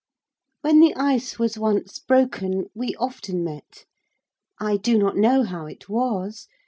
When the ice was once broken, we often met. I do not know how it was.